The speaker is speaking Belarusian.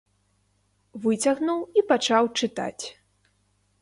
Выцягнуў і пачаў чытаць.